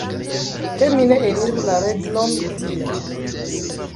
Ke mi ne eniru la Regnon Dian!